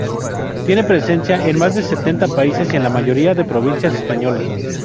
Tiene presencia en más de setenta países y en la mayoría de provincias españolas.